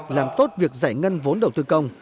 làm tốt việc giải ngân vốn đầu tư công